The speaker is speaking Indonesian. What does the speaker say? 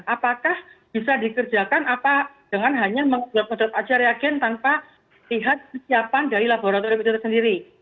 apakah bisa dikerjakan dengan hanya menggunakan ajar ajar reagen tanpa lihat siapan dari laboratorium itu sendiri